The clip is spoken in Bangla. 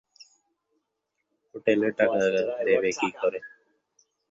হোটেলে টাকা দেবে কী করে?